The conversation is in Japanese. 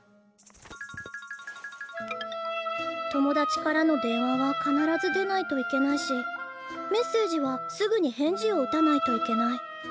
友達からの電話は必ず出ないといけないしメッセージはすぐに返事を打たないといけない。